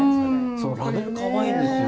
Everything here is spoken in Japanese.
そうラベルかわいいんですよ。